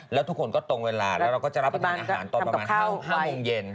แล้วทุกคนก็ตรงเวลาแล้วเราก็จะรับประทานอาหารตอนประมาณ๕โมงเย็น